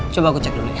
coba aku cek dulu ya